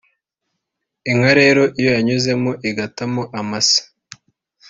inka rero iyo yanyuzemo igatamo amase